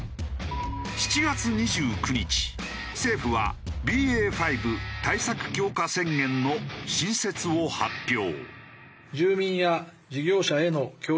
７月２９日政府はＢＡ．５対策強化宣言の新設を発表。